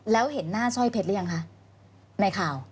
แล้วเห็นหน้าสร้อยเพชรหรือยังคะในข่าว